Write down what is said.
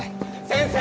先生！